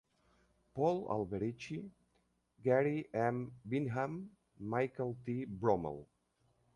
Paul Alberici, Gary M Binham, Michael T Bromell.